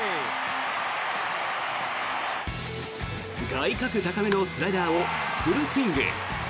外角高めのスライダーをフルスイング。